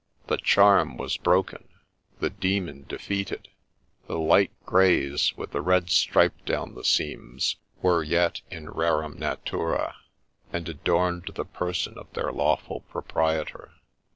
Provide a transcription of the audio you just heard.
The charm was broken, the demon defeated ; the light greys with the red stripe down the seams were yet in rerum naturd, and adorned the person of their lawful proprietor.